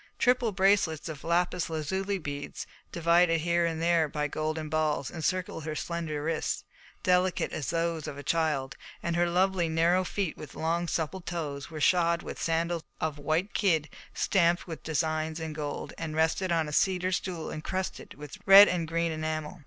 Triple bracelets of lapis lazuli beads, divided here and there by golden balls, encircled her slender wrists, delicate as those of a child; and her lovely, narrow feet with long, supple toes, were shod with sandals of white kid stamped with designs in gold, and rested on a cedar stool incrusted with red and green enamel.